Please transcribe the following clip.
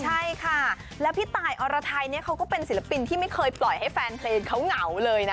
ใช่ค่ะแล้วพี่ตายอรไทยเนี่ยเขาก็เป็นศิลปินที่ไม่เคยปล่อยให้แฟนเพลงเขาเหงาเลยนะ